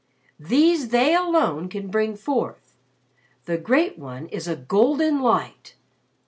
These they alone can bring forth. The Great One is a Golden Light.